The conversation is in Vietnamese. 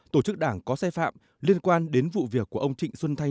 tổ chức đảng có sai phạm liên quan đến vụ việc của ông trịnh xuân thanh